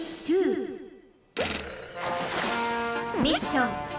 ミッション。